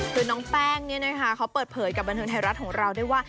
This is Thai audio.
คือน้องแป้งเนี่ยนะคะเขาเปิดเผยกับบันเทิงไทยรัฐของเราด้วยว่า